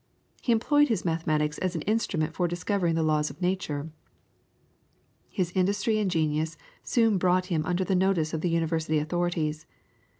He employed his mathematics as an instrument for discovering the laws of nature. His industry and genius soon brought him under the notice of the University authorities.